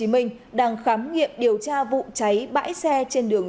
hôm nay công an huyện củ chi tp hcm đang khám nghiệm điều tra vụ cháy bãi xe trên đường